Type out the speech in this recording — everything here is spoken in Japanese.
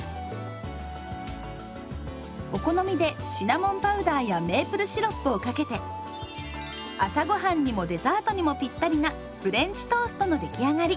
お好みでシナモンパウダーやメープルシロップをかけて朝ごはんにもデザートにもぴったりな「フレンチトースト」の出来上がり。